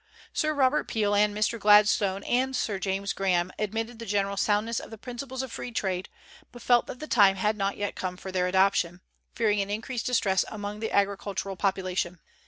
Sir Robert Peel and Mr. Gladstone and Sir James Graham admitted the general soundness of the principles of free trade, but felt that the time had not yet come for their adoption, fearing an increased distress among the agricultural population.